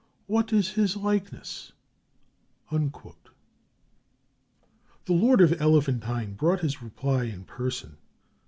What is his likeness?" The lord of Elephantine brought his reply in person.